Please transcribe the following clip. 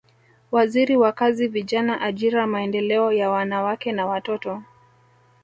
Waziri wa Kazi Vijana Ajira Maendeleo ya Wanawake na Watoto